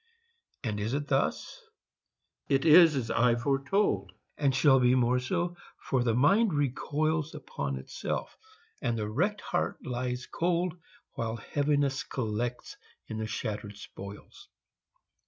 And is it thus? it is as I foretold, And shall be more so; for the mind recoils Upon itself, and the wrecked heart lies cold, While Heaviness collects the shattered spoils.